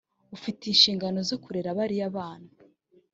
ufite inshingano zo kurera bariya bana